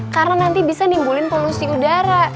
karena nanti bisa nimbulin polusi udara